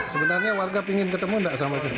sebenarnya warga ingin ketemu tidak sama sama